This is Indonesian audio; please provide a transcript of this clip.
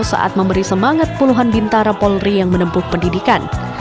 saat memberi semangat puluhan bintara polri yang menempuh pendidikan